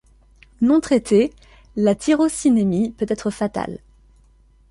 Non traitée, la tyrosinémie peut être fatale.